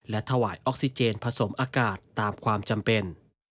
และถวายออกซิเจนผสมอากาศตามความจำเป็น